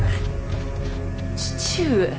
父上。